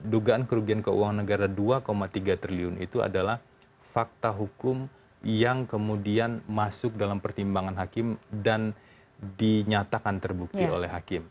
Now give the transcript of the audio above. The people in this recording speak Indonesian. dugaan kerugian keuangan negara dua tiga triliun itu adalah fakta hukum yang kemudian masuk dalam pertimbangan hakim dan dinyatakan terbukti oleh hakim